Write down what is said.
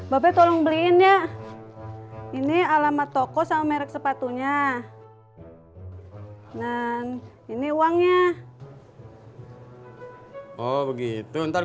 bapak tolong beliin ya ini alamat toko sama merek sepatunya dan ini uangnya oh begitu ntar